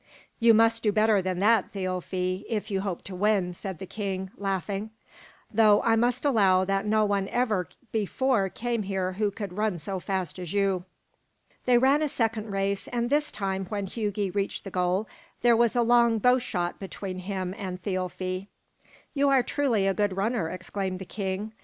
"You must do better than that, Thialfi, if you hope to win," said the king, laughing, "though I must allow that no one ever before came here who could run so fast as you." They ran a second race; and this time when Hugi reached the goal there was a long bow shot between him and Thialfi. "You are truly a good runner," exclaimed the king.